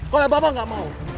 kalau bapak gak mau